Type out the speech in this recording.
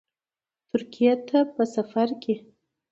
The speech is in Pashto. ترکیې ته په سفرکې